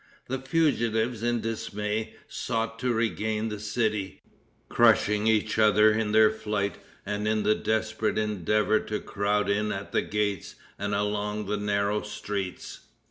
The fugitives, in dismay, sought to regain the city, crushing each other in their flight and in the desperate endeavor to crowd in at the gates and along the narrow streets.